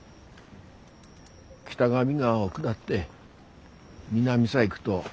北上川を下って南さ行ぐど